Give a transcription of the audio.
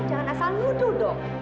jangan asal nuduh dong